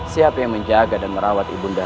siapa yang menjaga dan merawat ibunda